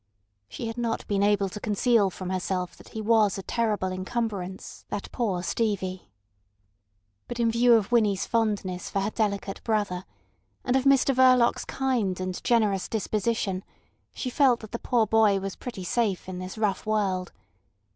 She had not been able to conceal from herself that he was a terrible encumbrance, that poor Stevie. But in view of Winnie's fondness for her delicate brother, and of Mr Verloc's kind and generous disposition, she felt that the poor boy was pretty safe in this rough world.